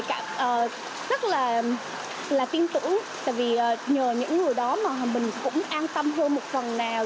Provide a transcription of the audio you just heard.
rất là tin tưởng vì nhờ những người đó mà mình cũng an tâm hơn một phần nào